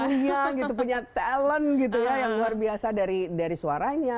tayang gitu punya talent gitu ya yang luar biasa dari suaranya